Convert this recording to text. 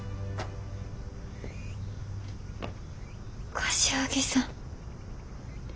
柏木さん。